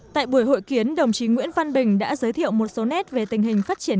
tại buổi hội kiến đồng chí nguyễn văn bình đã giới thiệu một số nét về tình hình phát triển